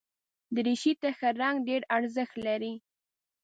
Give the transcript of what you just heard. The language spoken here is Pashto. دریشي ته ښه رنګ ډېر ارزښت لري.